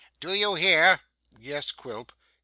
Do you hear?' 'Yes, Quilp.